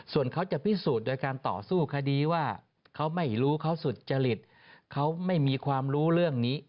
ส่วนเขาจะพิสูจน์โดยการต่อสู้คดีว่าเขาไม่รู้เขาสุจริตเขาไม่มีความรู้เรื่องนี้